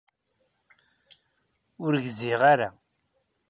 Ur gziɣ ara.